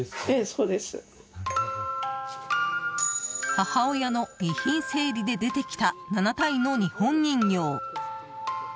母親の遺品整理で出てきた７体の日本人形。